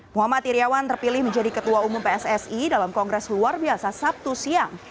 muhammad iryawan terpilih menjadi ketua umum pssi dalam kongres luar biasa sabtu siang